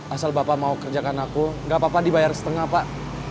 asal bapak mau kerjakan aku gak apa apa dibayar setengah pak